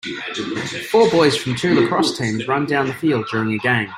Four boys from two lacrosse teams run down the field during a game.